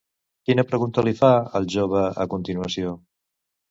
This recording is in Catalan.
Quina pregunta li fa al jove a continuació?